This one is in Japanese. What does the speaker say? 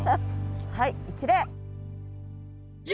はい一礼！